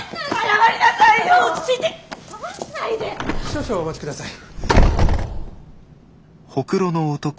少々お待ちください。